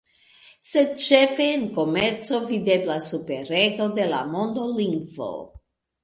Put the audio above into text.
Sed ĉefe en komerco videblas superrego de la mondolingvo.